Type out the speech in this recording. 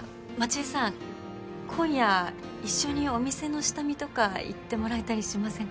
絵さん今夜一緒にお店の下見とか行ってもらえたりしませんか？